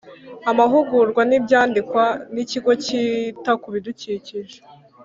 Amahugurwa n Ibyandikwa n Ikigo cyita ku bidukikije